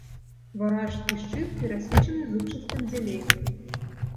Варажскі шчыт перасечаны зубчастым дзяленнем.